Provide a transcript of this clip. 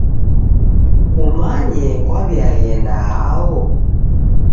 Kumanye kwaw'iaghenda hao?